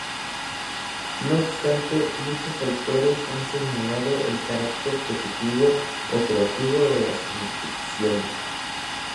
No obstante, muchos autores han señalado el carácter positivo o creativo de las constricciones.